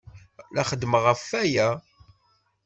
La xeddmeɣ ɣef waya.